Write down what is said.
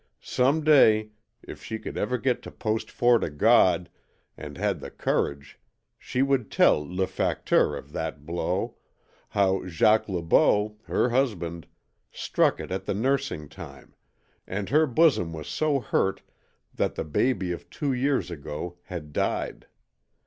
Some day, if she could ever get to Post Fort O' God, and had the courage, she would tell LE FACTEUR of that blow how Jacques Le Beau, her husband, struck it at the nursing time, and her bosom was so hurt that the baby of two years ago had died.